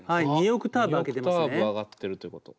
２オクターブ上がってるということ。